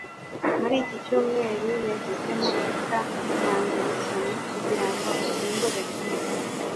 Muri iki cyumweru yahisemo Peter Mandelson kugirango asimbure james